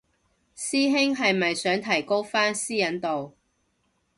師兄係咪想提高返私隱度